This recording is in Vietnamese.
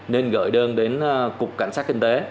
nên gửi đơn đến cục cảnh sát kinh tế